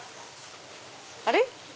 あれ？